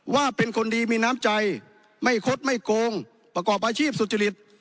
ว่าเป็นคนดีมีน้ำใจไม่คดไม่โกงประกอบอาชีพสุจริต